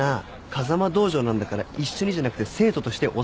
風間道場なんだから一緒にじゃなくて生徒として教わるの。